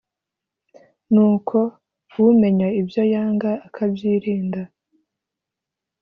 ni uko umenya ibyo yanga ukabyirinda